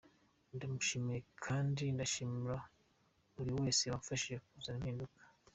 Ndamushimiye kandi ndashimira buri wese wamfashije kuzana impinduka.